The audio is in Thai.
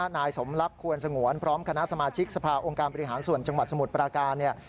นายสมรักควรสงวนพร้อมคณะสมาชิกสภาองค์การบริหารส่วนจังหวัดสมุทรปราการเนี่ย